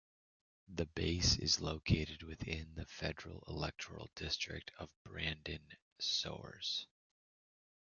The base is located within the federal electoral district of Brandon-Souris.